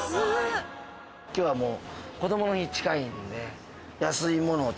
今日はもう。